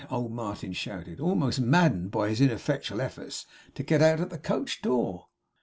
old Martin shouted; almost maddened by his ineffectual efforts to get out at the coach door.